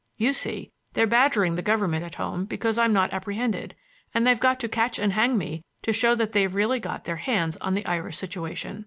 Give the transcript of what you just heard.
You see, they're badgering the Government at home because I'm not apprehended, and they've got to catch and hang me to show that they've really got their hands on the Irish situation.